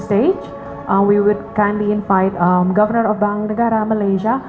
saya ingin mengundang pemerintah bank negara malaysia